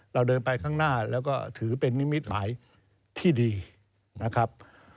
เราเดินไปข้างหน้าแล้วก็ถือเป็นนิมิตหมายที่ดีนะครับ